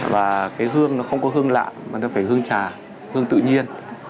và cái hương nó không có hương lạng mà nó phải hương trà hương tự nhiên